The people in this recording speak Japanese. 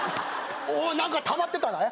何かたまってたな。